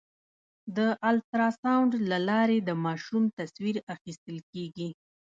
د الټراساونډ له لارې د ماشوم تصویر اخیستل کېږي.